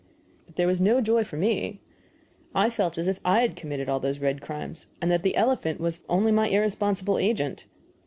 But there was no joy for me. I felt as if I had committed all those red crimes, and that the elephant was only my irresponsible agent.